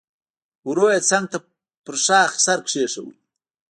ورو يې څنګ ته په شاخ سر کېښود.